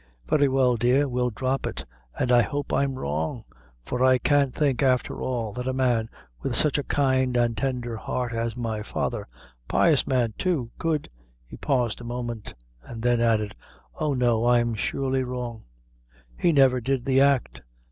"Very well, dear, we'll drop it; an' I hope I'm wrong; for I can't think, afther all, that a man with such a kind and tendher heart as my father a pious man, too; could " he paused a moment, and then added; "oh! no; I'm surely wrong; he never did the act.